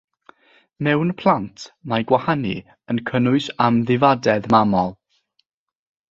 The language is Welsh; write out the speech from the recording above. Mewn plant, mae gwahanu yn cynnwys amddifadedd mamol.